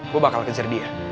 gue bakal kejar dia